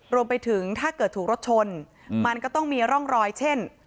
รวมไปถึงถ้าเกิดถูกรถชนมันก็ต้องมีร่องรอยเช่น